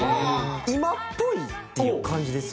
今っぽいっていう感じですよね。